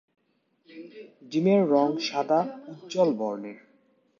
ডিমের রঙ সাদা উজ্জল বর্ণের।